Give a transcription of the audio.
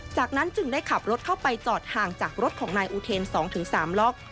จากนั้นจึงได้ขับรถเข้าไปจอดห่างจากรถของนายอูเทน๒๓ล็อก